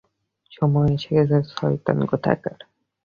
সময় এসে গেছে, শয়তান কোথাকার!